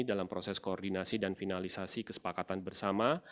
dalam proses koordinasi dan finalisasi kesepakatan bersama